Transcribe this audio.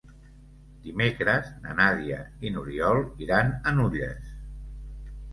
Dimecres na Nàdia i n'Oriol iran a Nulles.